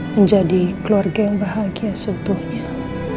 menjadi keluarga yang bahagia seutuhnya